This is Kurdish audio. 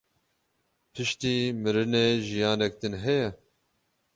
Piştî mirinê jiyanek din heye?